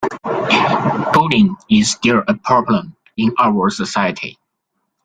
Bullying is still a problem in our society.